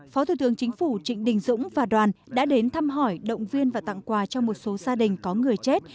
phó thủ tướng chính phủ trịnh đình dũng và đoàn đã đến thăm hỏi động viên và tặng quà cho một số gia đình có người chết